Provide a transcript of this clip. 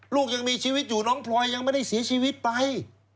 ลูกยังมีชีวิตอยู่น้องพลอยยังไม่ได้เสียชีวิตไป